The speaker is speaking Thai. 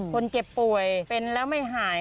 คนเจ็บป่วยเป็นแล้วไม่หาย